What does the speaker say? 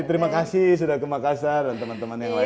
terima kasih sudah ke makassar dan teman teman yang lain